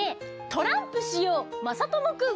トランプしようまさともくん。